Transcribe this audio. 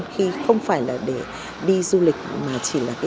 khi không phải là để đi du lịch